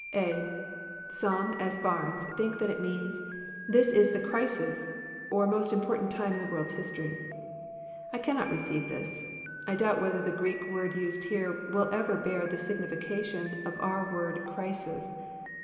(a) Some, as Barnes, think that it means, '* This is the crisis, or most important time in the world's history." I cannot receive this. I doubt whether the Greek word used here, will ever bear the signification of our word *' crisis."